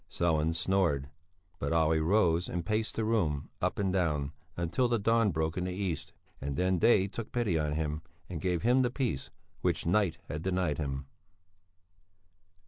Sellén snored. But Olle rose and paced the room, up and down, until the dawn broke in the east; then day took pity on him and gave him the peace which night had denied him.